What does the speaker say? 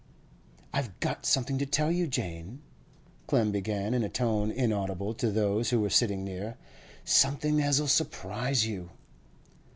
'I've got something to tell you, Jane,' Clem began, in a tone inaudible to those who were sitting near. 'Something as'll surprise you.